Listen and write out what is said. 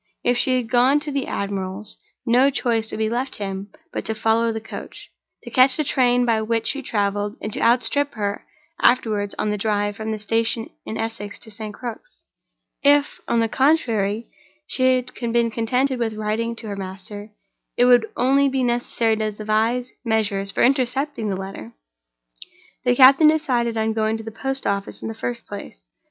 If she had gone to the admiral's, no choice would be left him but to follow the coach, to catch the train by which she traveled, and to outstrip her afterward on the drive from the station in Essex to St. Crux. If, on the contrary, she had been contented with writing to her master, it would only be necessary to devise measures for intercepting the letter. The captain decided on going to the post office, in the first place.